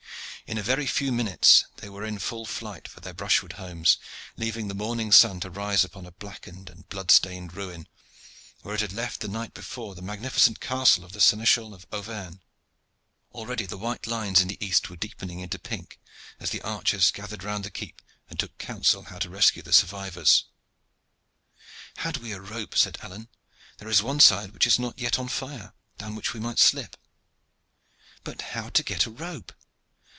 In a very few minutes they were in full flight for their brushwood homes, leaving the morning sun to rise upon a blackened and blood stained ruin, where it had left the night before the magnificent castle of the Seneschal of Auvergne. Already the white lines in the east were deepening into pink as the archers gathered round the keep and took counsel how to rescue the survivors. "Had we a rope," said Alleyne, "there is one side which is not yet on fire, down which we might slip." "But how to get a rope?"